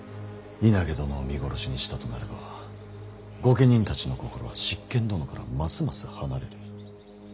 稲毛殿を見殺しにしたとなれば御家人たちの心は執権殿からますます離れる。